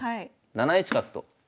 ７一角と。